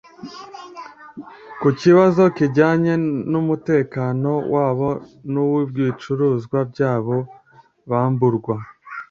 Ku kibazo kijyanye n’umutekano wabo n’uw’ibicuruzwa byabo bamburwa